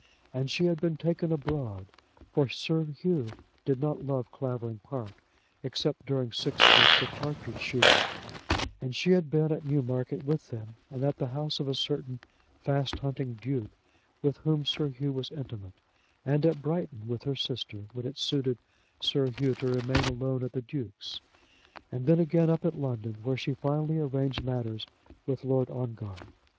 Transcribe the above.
And she had been taken abroad, for Sir Hugh did not love Clavering Park, except during six weeks of partridge shooting; and she had been at Newmarket with them, and at the house of a certain fast hunting duke with whom Sir Hugh was intimate; and at Brighton with her sister, when it suited Sir Hugh to remain alone at the duke's; and then again up in London, where she finally arranged matters with Lord Ongar.